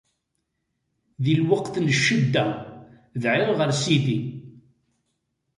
Di lweqt n ccedda, dɛiɣ ɣer Sidi.